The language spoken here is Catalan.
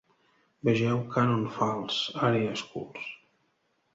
Vegeu "Cannon Falls Area Schools".